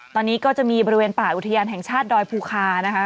ตอนนี้ก็จะมีบริเวณป่าอุทยานแห่งชาติดอยภูคานะคะ